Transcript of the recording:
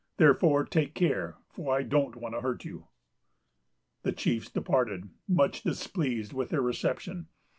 Therefore take care, for I don't want to hurt you." The chiefs departed, much displeased with their reception.